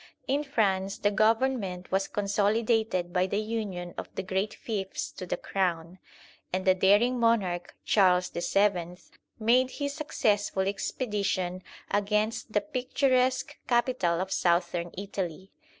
In France the Government was consolidated by the union of the great fiefs to the crown ; and the daring monarch Charles VII made his successful expedition against the picturesque capital of Southern Italy.